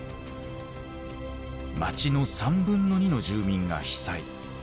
町の３分の２の住民が被災。